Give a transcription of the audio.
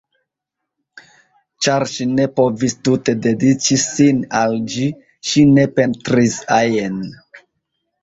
Ĉar ŝi ne povis tute dediĉi sin al ĝi, ŝi ne pentris ajn.